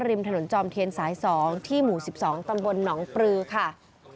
ริมถนนจอมเทียนสาย๒ที่หมู่๑๒ตำบลหนองปลือค่ะ